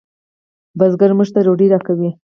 کروندګر موږ ته ډوډۍ راکوي